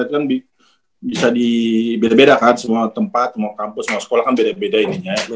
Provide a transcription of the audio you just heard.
kan bisa di beda beda kan semua tempat mau kampus mau sekolah kan beda beda ini ya